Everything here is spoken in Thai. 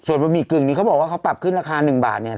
บะหมี่กึ่งนี้เขาบอกว่าเขาปรับขึ้นราคา๑บาทเนี่ย